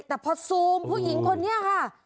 แต่พอซูมผู้หญิงคนนี้ค่ะ